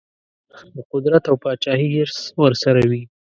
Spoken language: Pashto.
د قدرت او پاچهي حرص ورسره وي.